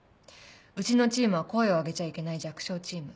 うちのチームは声を上げちゃいけない弱小チーム。